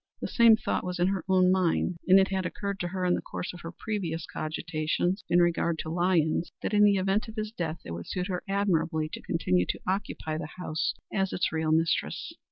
The same thought was in her own mind, and it had occurred to her in the course of her previous cogitations in regard to Lyons, that in the event of his death it would suit her admirably to continue to occupy the house as its real mistress.